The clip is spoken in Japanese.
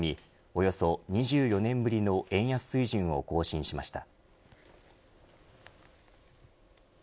およそ２４年ぶりの円安水準を更新しました。